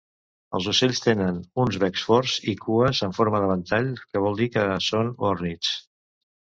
Els ocells tenen uns becs forts i cues en forma de ventall, que vol dir que son ornits.